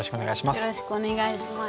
よろしくお願いします。